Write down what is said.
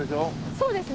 そうですね。